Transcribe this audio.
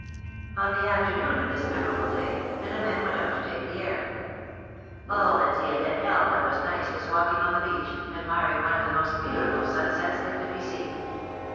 On the afternoon of this memorable day, Philom^ne went out to take the air. All that Di^lette held that was nice was walking on the beach, admiring one of the most beautiful feuusets that could be seen.